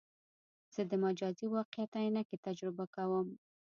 زه د مجازي واقعیت عینکې تجربه کوم.